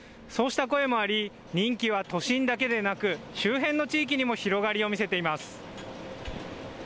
そうした声もあり人気は都心だけでなく周辺の地域にも広がりを見せています。